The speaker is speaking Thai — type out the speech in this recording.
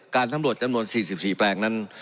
การสำรวจจำนวน๔๔แปลงนั้น